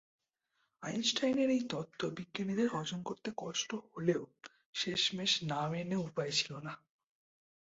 আইনস্টাইনের এই তত্ত্ব বিজ্ঞানীদের হজম করতে কষ্ট হলেও শেষমেশ না মেনে উপায় ছিল না।